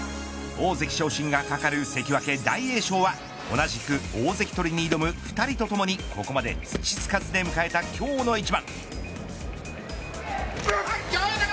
大関昇進がかかる関脇、大栄翔は同じく大関とりに挑む２人とともにここまで土つかずで迎えた今日の一番。